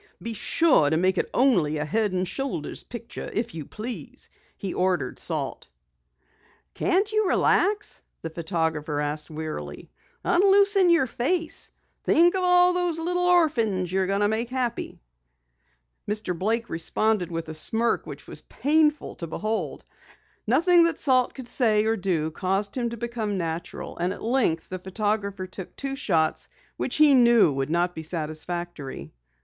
"Be sure to make it only a head and shoulders picture, if you please," he ordered Salt. "Can't you relax?" the photographer asked wearily. "Unloosen your face. Think of all those little orphans you're going to make happy." Mr. Blake responded with a smirk which was painful to behold. Nothing that Salt could say or do caused him to become natural, and at length the photographer took two shots which he knew would not be satisfactory.